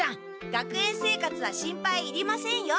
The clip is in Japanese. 学園生活は心配いりませんよ。